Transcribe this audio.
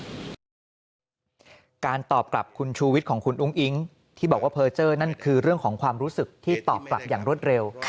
การตอบกลับคุณชูวิทย์ของคุณอุ้งอิ๊งที่บอกว่าเพอร์เจอร์นั่นคือเรื่องของความรู้สึกที่ตอบกลับอย่างรวดเร็ว